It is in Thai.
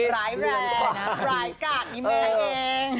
ร้ายแรงนะร้ายกาดนี่แม่เอง